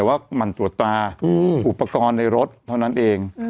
แต่ว่าหมั่นตรวจตาอุปกรณ์ในรถเท่านั้นเอง